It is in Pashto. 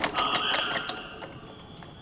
سياسي واک د دولت له لارې مشروعيت پيدا کوي.